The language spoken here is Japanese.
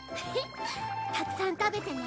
たくさん食べてね。